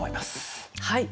はい。